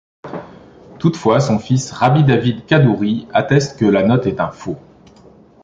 Toutefois, son fils, Rabbi David Kadouri, atteste que la note est un faux.